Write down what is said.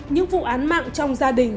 những vụ án mạng trong gia đình